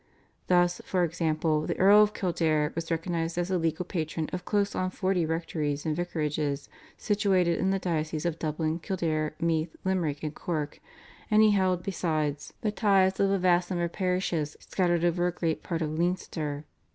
Thus, for example, the Earl of Kildare was recognised as the legal patron of close on forty rectories and vicarages situated in the dioceses of Dublin, Kildare, Meath, Limerick, and Cork, and he held, besides, the tithes of a vast number of parishes scattered over a great part of Leinster.